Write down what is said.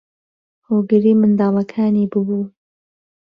هۆگری منداڵەکانی بووبوو